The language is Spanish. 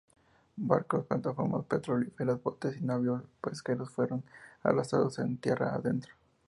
Barcos, plataformas petrolíferas, botes y navíos pesqueros fueron arrastrados tierra adentro.